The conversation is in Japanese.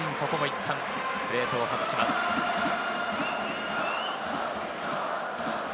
ここはいったんプレートを外します。